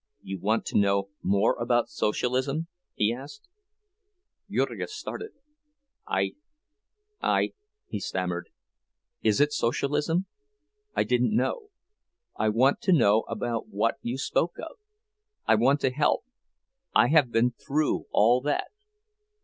"You want to know more about Socialism?" he asked. Jurgis started. "I—I—" he stammered. "Is it Socialism? I didn't know. I want to know about what you spoke of—I want to help. I have been through all that."